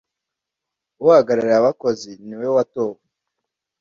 uhagarariye abakozi niwe watowe.